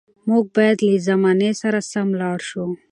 موږ باید له زمانې سره سم لاړ شو.